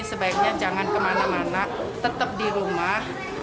sebaiknya jangan kemana mana tetap di rumah